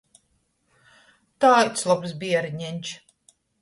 Taids lobs bierneņš!